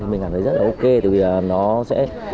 thì mình cảm thấy rất là ok